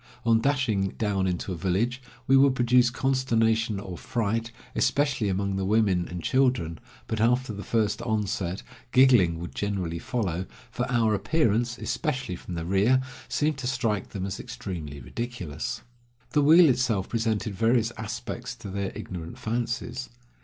On dashing down into a village, we would produce consternation or fright, especially among the women and children, but after the first onset, giggling would generally follow, for our appearance, especially from the rear, seemed to strike them as extremely ridiculous. The wheel itself presented various aspects to their ignorant fancies.